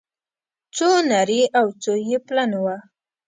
څو نري او څو يې پلن وه